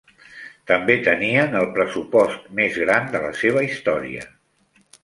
També tenien el pressupost més gran de la seva història.